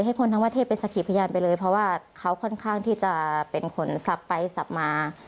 คนทั้งประเทศเป็นสักขีพยานไปเลยเพราะว่าเขาค่อนข้างที่จะเป็นคนสับไปสับมา